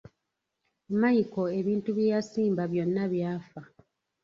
Micheal ebintu bye yasimba byonna byafa.